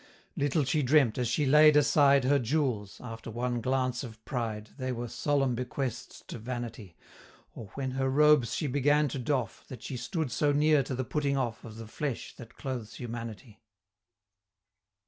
Little she dreamt, as she laid aside Her jewels after one glance of pride They were solemn bequests to Vanity Or when her robes she began to doff, That she stood so near to the putting off Of the flesh that clothes humanity.